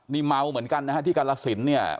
นี่เมาเหมือนกันนะฮะที่กาลสินเนี่ย